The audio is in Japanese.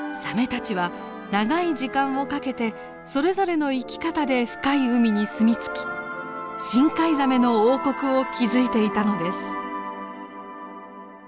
サメたちは長い時間をかけてそれぞれの生き方で深い海にすみつき深海ザメの王国を築いていたのです。